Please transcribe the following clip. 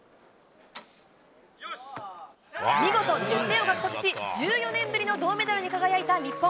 見事１０点を獲得し、１４年ぶりの銅メダルに輝いた日本。